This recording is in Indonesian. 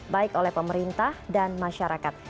baik oleh pemerintah dan masyarakat